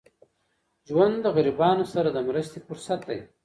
ژوند د غریبانو سره د مرستې فرصت دی.